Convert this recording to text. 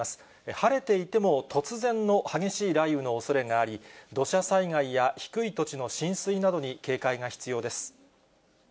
晴れていても、突然の激しい雷雨のおそれがあり、土砂災害や低い土地の浸水などに警戒が必要です。